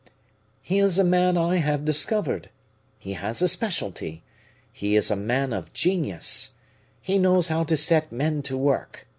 "He is a man I have discovered; he has a specialty; he is a man of genius he knows how to set men to work.